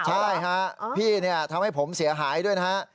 ใช่เฮะพี่ทำให้ผมเสียหายด้วยนะ